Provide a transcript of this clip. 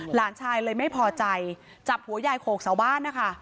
หลานชายเลยไม่พอใจจับหัวยายโขกเสาบ้านนะคะ